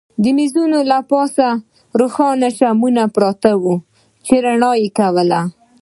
د مېزونو له پاسه روښانه شمعې پرتې وې چې رڼا یې کوله.